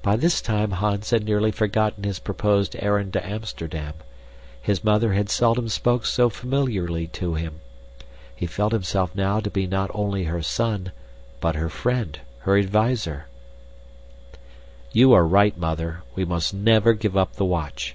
By this time Hans had nearly forgotten his proposed errand to Amsterdam. His mother had seldom spoken so familiarly to him. He felt himself now to be not only her son, but her friend, her adviser: "You are right, Mother. We must never give up the watch.